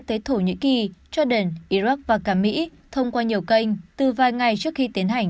tới thổ nhĩ kỳ joe biden iraq và cả mỹ thông qua nhiều kênh từ vài ngày trước khi tiến hành